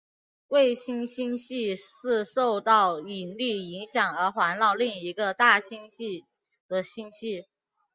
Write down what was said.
卫星星系是受到引力影响而环绕另一个大星系的星系。